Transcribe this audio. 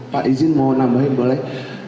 pak izin mau nambahin boleh